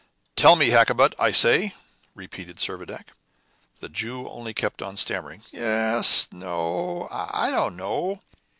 "Tell me, Hakkabut, I say," repeated Servadac. The Jew only kept on stammering, "Yes no I don't know."